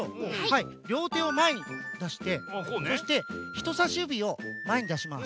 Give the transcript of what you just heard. はいりょうてをまえにだしてそしてひとさしゆびをまえにだします。